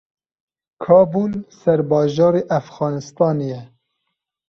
Kabûl serbajarê Efxanistanê ye.